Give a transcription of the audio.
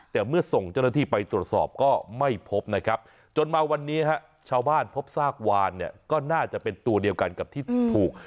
แต่เมื่อส่งเจ้าหน้าที่ไปตรวจสอบก็ไม่พบนะครับจนมาวันนี้ฮะชาวบ้านพบซากวานเนี่ยก็น่าจะเป็นตัวเดียวกันกับที่ถูก